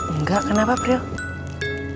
enggak kenapa pril